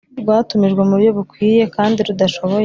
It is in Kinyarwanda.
rwatumijwe mu buryo bukwiye kandi rudashoboye.